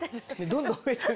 どんどん増えてる。